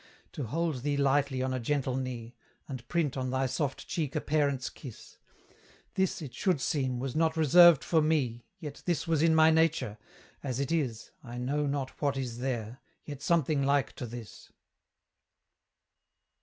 To hold thee lightly on a gentle knee, And print on thy soft cheek a parent's kiss, This, it should seem, was not reserved for me Yet this was in my nature: As it is, I know not what is there, yet something like to this.